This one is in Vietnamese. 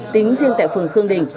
tính riêng tại phường khương đình